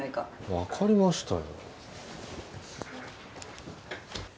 わかりましたよ。